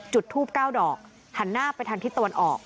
จุดทูบ๙ดอกหันหน้าไปทางทิศตะวันออก